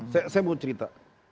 saya mau cerita